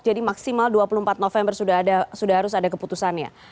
maksimal dua puluh empat november sudah harus ada keputusannya